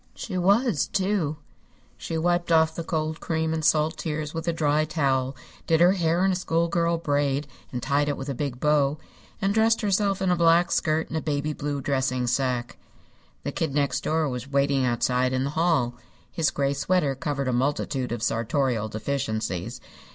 She was, too. She wiped off the cold cream and salt tears with a dry towel, did her hair in a schoolgirl braid and tied it with a big bow, and dressed herself in a black skirt and a baby blue dressing sacque. The Kid Next Door was waiting outside in the hall. His gray sweater covered a multitude of sartorial deficiencies.